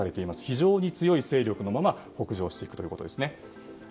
非常に強い勢力のまま北上するということですね。